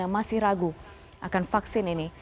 yang masih ragu akan vaksin ini